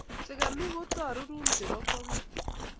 sekemik ko torurun chebo kwong'ut